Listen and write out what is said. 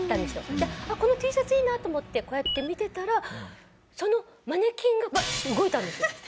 でこのＴシャツいいなと思ってこうやって見てたらそのマネキンがバッて動いたんですよ。